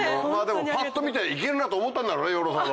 でもパッと見ていけるなと思ったんだろうね養老さんは。